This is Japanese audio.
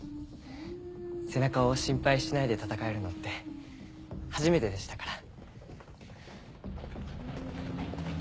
背中を心配しないで戦えるのって初めてでしたから。